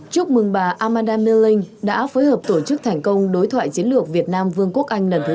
chúc mừng bà amanda my linh đã phối hợp tổ chức thành công đối thoại chiến lược việt nam vương quốc anh lần thứ tám